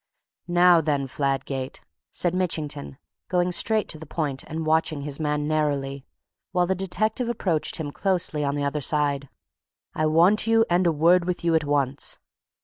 "Now then, Fladgate!" said Mitchington, going straight to the point and watching his man narrowly, while the detective approached him closely on the other side. "I want you and a word with you at once.